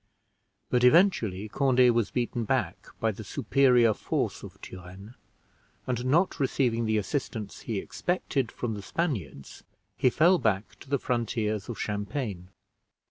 But eventually Conde was beaten back by the superior force of Turenne; and, not receiving the assistance he expected from the Spaniards, he fell back to the frontiers of Champagne.